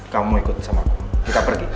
kamu ikut sama aku kita pergi